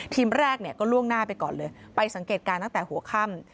แรกเนี่ยก็ล่วงหน้าไปก่อนเลยไปสังเกตการณ์ตั้งแต่หัวค่ำ